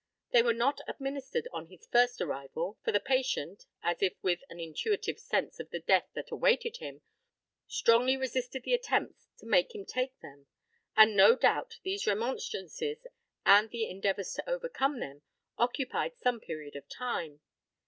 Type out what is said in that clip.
They were not administered on his first arrival, for the patient, as if with an intuitive sense of the death that awaited him, strongly resisted the attempts to make him take them; and no doubt these remonstrances, and the endeavours to overcome them, occupied some period of time.